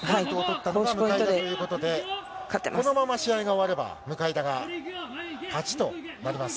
このまま試合が終われば向田が勝ちとなります。